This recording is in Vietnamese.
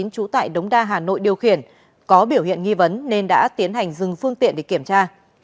trú tại đống đa hà nội điều khiển có biểu hiện nghi vấn nên đã tiến hành dừng phương tiện để kiểm tra